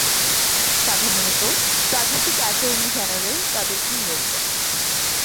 সাধারণত প্রাদেশিক attorney general তাদেরকে নিয়োগ দেন।